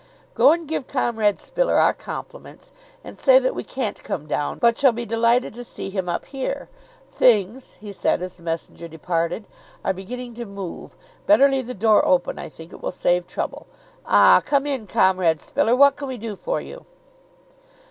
"Go and give Comrade Spiller our compliments and say that we can't come down, but shall be delighted to see him up here. Things," he said, as the messenger departed, "are beginning to move. Better leave the door open, I think; it will save trouble. Ah, come in, Comrade Spiller, what can we do for you?"